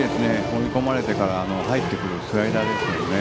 追い込まれてから入ってくるスライダーですけどね。